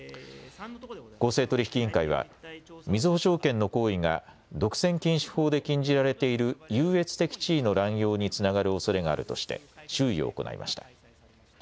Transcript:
公正取引委員会はみずほ証券の行為が独占禁止法で禁じられている優越的地位の乱用につながるおそれがあるとして注意を行いました。